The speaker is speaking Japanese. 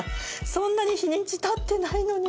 そんなに日にち経ってないのになあ。